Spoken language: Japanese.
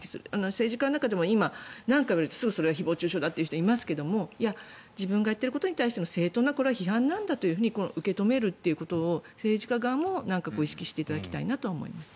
政治家の中でも今、何か言われるとすぐにそれは誹謗・中傷だと言う人がいますがいや、自分がやっていることに対しての正当な批判なんだと受け止めるということを政治家側も意識していただきたいなと思います。